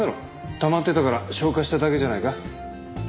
たまってたから消化しただけじゃないか？